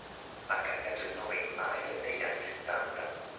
Ha cambiato il nome in Mael negli anni Settanta.